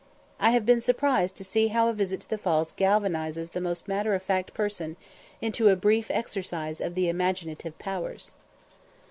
I have been surprised to see how a visit to the Falls galvanises the most matter of fact person into a brief exercise of the imaginative powers.